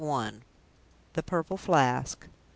III. THE PURPLE FLASK.